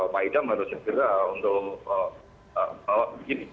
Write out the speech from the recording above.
pak idam harus segera untuk bahwa begini